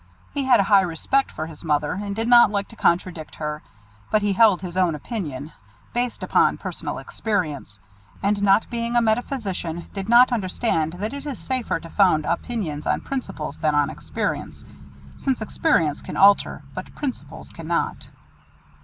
He had a high respect for his mother, and did not like to contradict her, but he held his own opinion, based upon personal experience; and not being a metaphysician, did not understand that it is safer to found opinions on principles than on experience, since experience may alter, but principles cannot.